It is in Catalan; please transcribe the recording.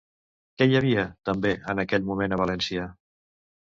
Què hi havia, també, en aquell moment a València?